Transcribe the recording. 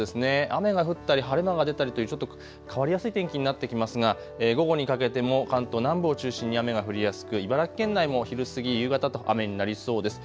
雨が降ったり晴れ間が出たりという変わりやすい天気になってきますが午後にかけても関東南部を中心に雨が降りやすく茨城県内も昼過ぎ、夕方と雨になりそうです。